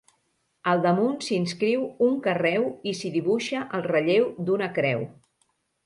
Al damunt s'hi inscriu un carreu i s'hi dibuixa el relleu d'una creu.